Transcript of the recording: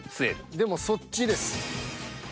でもそっちです。